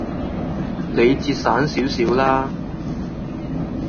你節省少少啦